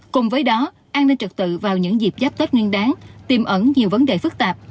cùng với đó an ninh trật tự vào những dịp giáp tết nguyên đáng tìm ẩn nhiều vấn đề phức tạp